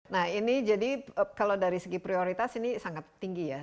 nah ini jadi kalau dari segi prioritas ini sangat tinggi ya